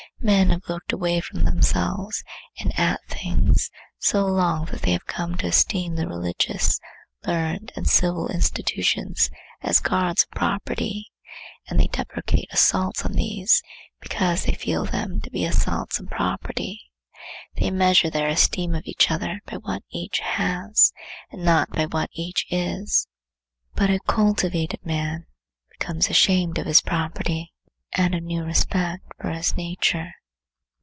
Men have looked away from themselves and at things so long that they have come to esteem the religious, learned and civil institutions as guards of property, and they deprecate assaults on these, because they feel them to be assaults on property. They measure their esteem of each other by what each has, and not by what each is. But a cultivated man becomes ashamed of his property, out of new respect for his nature.